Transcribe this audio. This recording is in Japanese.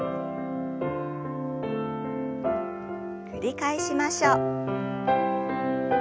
繰り返しましょう。